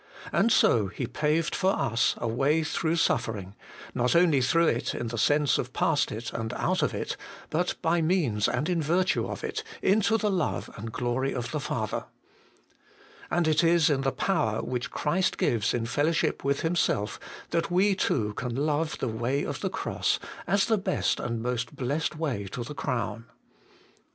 And so He paved for us a way through suffer ing, not only through it in the sense of past it and out of it, but by means and in virtue of it, into the love and glory of the Father. And it is in the 258 HOLY IN CHRIST. power which Christ gives in fellowship with Him self that we too can love the way of the Cross, as the best and most blessed way to the Crown.